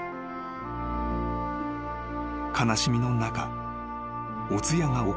［悲しみの中お通夜が行われた］